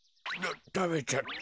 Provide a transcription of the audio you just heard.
たべちゃった。